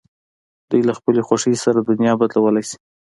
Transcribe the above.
دوی له خپلې خوښې سره دنیا بدلولای شي.